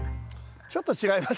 ちょっと違います。